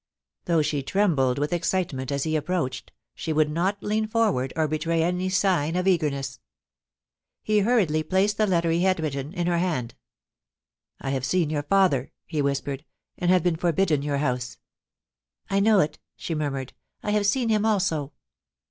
Though she trembled with excitement as he approached, she would not lean forward or betray any sign of eagerness. He hurriedly placed the letter he had written in her hand. ' I have seen your father,' he whispered, * and have been forbidden your house.* * I know it,' she murmured ;* I have seen him also.